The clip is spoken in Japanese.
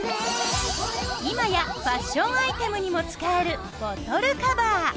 今やファッションアイテムにも使えるボトルカバー。